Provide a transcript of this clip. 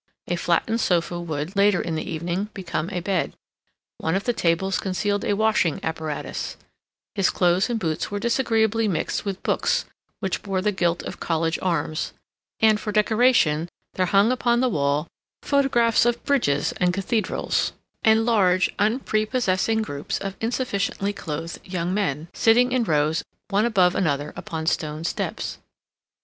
A flattened sofa would, later in the evening, become a bed; one of the tables concealed a washing apparatus; his clothes and boots were disagreeably mixed with books which bore the gilt of college arms; and, for decoration, there hung upon the wall photographs of bridges and cathedrals and large, unprepossessing groups of insufficiently clothed young men, sitting in rows one above another upon stone steps.